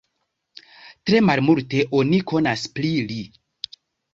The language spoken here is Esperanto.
Tre malmulte oni konas pri li.